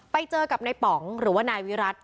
ไปเจอกับนายป๋องหรือว่านายวิรัติ